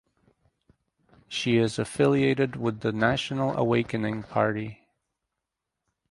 She is affiliated with the National Awakening Party.